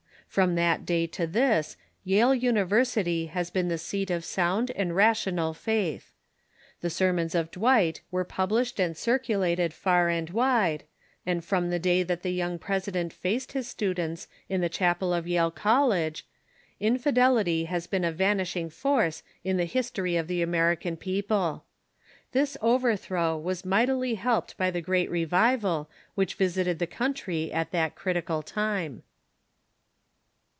From that day to this Yale University has been the seat of sound and rational faith. The sermons of Dw^ight were published and circulated far and wide, and from the day that the young president faced his students in the chapel of Yale College, infidelity has been a vanishing force in the history of the American people. This overthrow was mightily helped by the great revival which visited the country at that critical time.